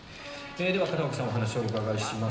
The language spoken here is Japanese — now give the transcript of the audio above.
では片岡さんにお話をお伺いします。